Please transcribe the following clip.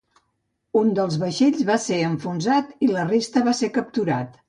Un dels vaixells va ser enfonsat i la resta va ser capturat.